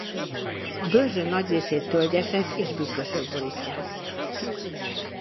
A Börzsöny nagy részét tölgyesek és bükkösök borítják.